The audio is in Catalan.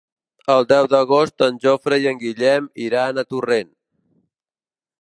El deu d'agost en Jofre i en Guillem iran a Torrent.